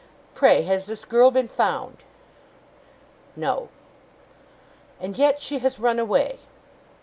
'Pray has this girl been found?' 'No.' 'And yet she has run away!